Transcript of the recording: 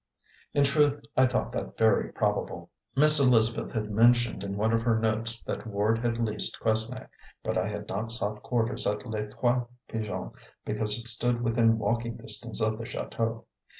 In truth I thought that very probable. Miss Elizabeth had mentioned in one of her notes that Ward had leased Quesnay, but I had not sought quarters at Les Trois Pigeons because it stood within walking distance of the chateau.